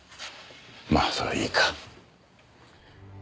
まあそれはいいか。